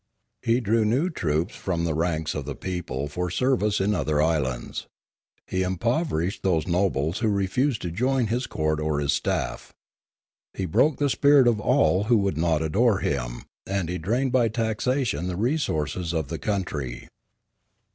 He drew new troops from the ranks of the people for 206 Limanora service in other islands. He impoverished those nobles who refused to join his court or his staff. He broke the spirit of all who would not adore him, and he drained by taxation the resources of the country.